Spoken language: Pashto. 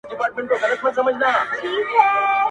چي د خالـونو ســره شــپـــــې تــېــــروم.